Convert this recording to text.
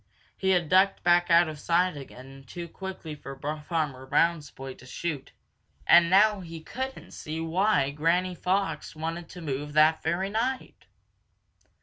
He had ducked back out of sight again too quickly for Farmer Brown's boy to shoot, and now he couldn't see why old Granny Fox wanted to move that very night.